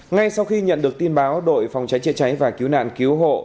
ngay sau khi nhận được tin báo đội phòng cháy chữa cháy và cứu nạn cứu hộ